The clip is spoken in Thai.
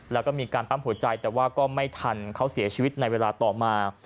แล้วก็มีการปั๊มหัวใจแต่ว่าก็ไม่ทันเขาเสียชีวิตในเวลาต่อมา